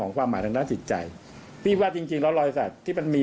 ของความหมายทางด้านติดใจพี่ว่าจริงแล้วรอยแสดที่มันมี